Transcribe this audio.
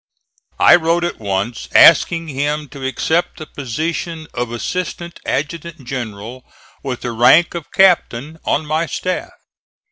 I wrote at once asking him to accept the position of assistant adjutant general with the rank of captain, on my staff.